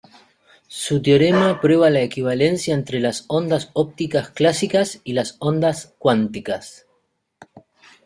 Su teorema prueba la equivalencia entre las ondas ópticas clásicas y las ondas cuánticas.